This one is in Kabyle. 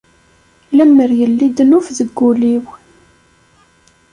Lemmer yelli ddnub deg wul-iw.